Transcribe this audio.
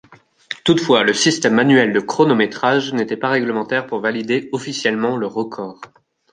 Toutefois, le système manuel de chronométrage n'était pas réglementaire pour valider officiellement le record.